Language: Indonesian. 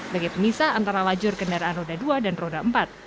bagi pemisah antara lajur kendaraan roda dua dan roda empat